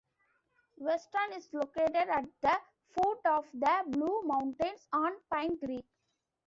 Weston is located at the foot of the Blue Mountains, on Pine Creek.